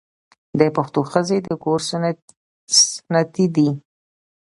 د پښتنو ښځې د کور ستنې دي.